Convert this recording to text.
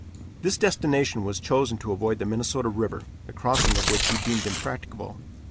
This destination was chosen to avoid the Minnesota river, the crossing of which we deemed impracticable.